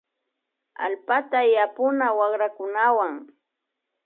Allpata yapuna wakrakunawan